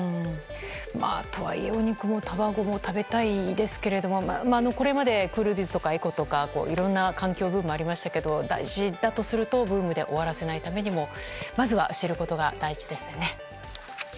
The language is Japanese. とはいえお肉も卵も食べたいですけどこれまでクールビズとかエコとかいろんないろんな環境ブームがありましたがブームで終わらせないためにもまずは知ることが大事ですね。